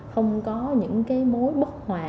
không có những cái mối bất hòa